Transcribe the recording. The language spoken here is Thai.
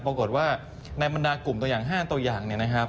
ปรากฏว่าในบรรดากลุ่มตัวอย่าง๕ตัวอย่าง